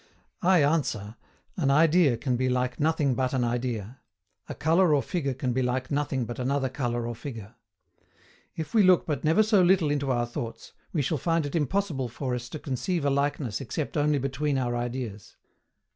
I ANSWER, an idea can be like nothing but an idea; a colour or figure can be like nothing but another colour or figure. If we look but never so little into our thoughts, we shall find it impossible for us to conceive a likeness except only between our ideas.